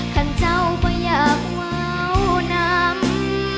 ท่านเจ้าก็อยากวาวนำ